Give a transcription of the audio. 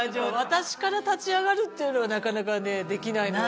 私から立ち上がるっていうのがなかなかねできないのよね。